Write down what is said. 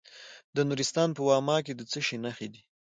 د نورستان په واما کې د څه شي نښې دي؟